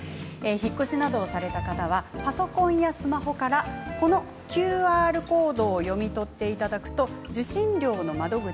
引っ越しなどをされた方はパソコンやスマホからＱＲコードを読み取っていただくと受信料の窓口